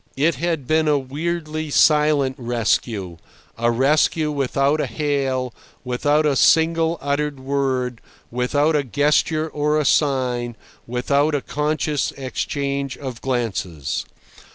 It had been a weirdly silent rescue—a rescue without a hail, without a single uttered word, without a gesture or a sign, without a conscious exchange of glances.